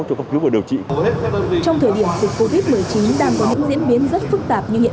dự trữ điều trị trong thời điểm dịch covid một mươi chín đang có những diễn biến rất phức tạp như hiện